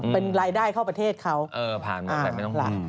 เป็นรายได้เข้าประเทศเขาเออผ่านหมดแบบไม่ต้องหมด